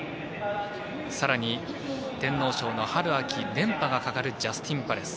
さらに天皇賞の春・秋連覇がかかるジャスティンパレス。